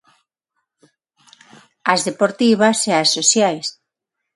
As deportivas e as sociais.